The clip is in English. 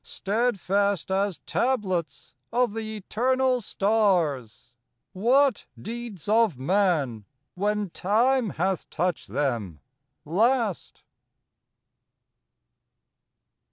Steadfast as tablets of the eternal stars, What deeds of man, when time hath touched them, last?